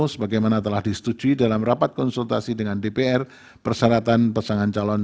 sebagaimana telah disetujui dalam rapat konsultasi dengan dpr persyaratan pasangan calon